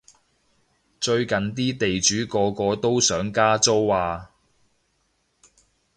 最近啲地主個個都想加租啊